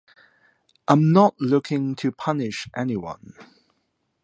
I’m not looking to punish anyone.